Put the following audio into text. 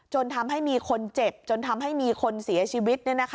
จนทำให้มีคนเจ็บจนทำให้มีคนเสียชีวิต